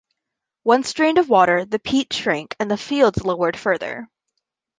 Once drained of water, the peat shrank, and the fields lowered further.